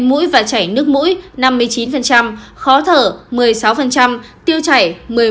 mũi và chảy nước mũi năm mươi chín khó thở một mươi sáu tiêu chảy một mươi một